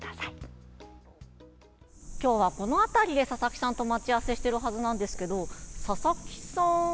今日はこの辺りで佐々木さんと待ち合わせしてるはずなんですけど佐々木さん！